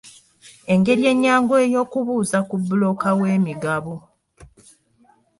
Engeri ennyangu ey'okwebuuza ku bbulooka w'emigabo.